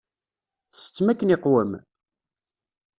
Tsettem akken iqwem?